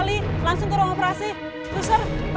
tidak pernah sempurna